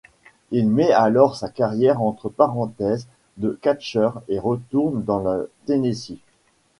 Il met alors sa carrière entre parenthèses de catcheur et retourne dans le Tennessee.